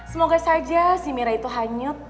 semoga saja si mira itu hanyut